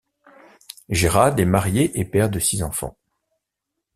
Jerad est marié et père de six enfants.